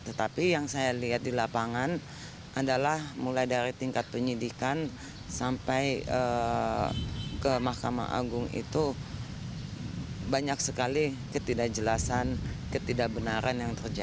tetapi yang saya lihat di lapangan adalah mulai dari tingkat penyidikan sampai ke mahkamah agung itu banyak sekali ketidakjelasan ketidakbenaran yang terjadi